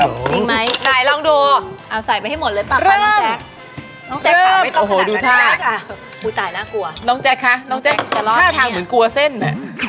หนท่าทางเหมือนกั้วเส้นเนี่ย